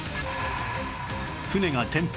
船が転覆